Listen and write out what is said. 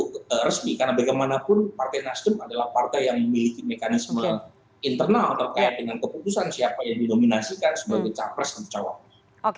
karena bagaimanapun partai nasdem adalah partai yang memiliki mekanisme internal terkait dengan keputusan siapa yang didominasikan sebagai capres dan cowok